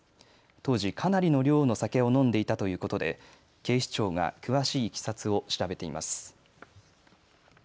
当時、かなりの量の酒を飲んでいたということで警視庁が詳しいいきさつを調べています。